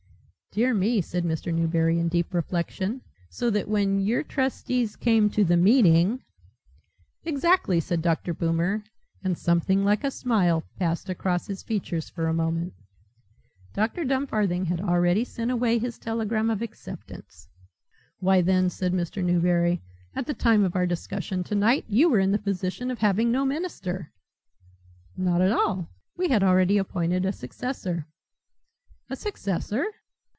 "Dear me," said Mr. Newberry, deep in reflection, "so that when your trustees came to the meeting " "Exactly," said Dr. Boomer and something like a smile passed across his features for a moment "Dr. Dumfarthing had already sent away his telegram of acceptance." "Why, then," said Mr. Newberry, "at the time of our discussion tonight, you were in the position of having no minister." "Not at all. We had already appointed a successor." "A successor?"